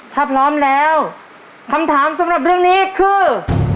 ถ้าพร้อมแล้วคำถามสำหรับเรื่องนี้คือ